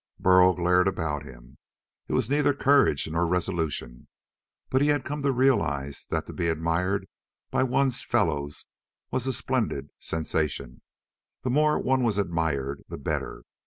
Burl glared about him. It was neither courage nor resolution, but he had come to realize that to be admired by one's fellows was a splendid sensation. The more one was admired, the better.